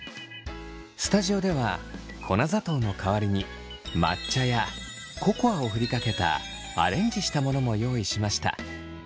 スタジオでは粉砂糖の代わりに抹茶やココアをふりかけたアレンジしたものも用意しました。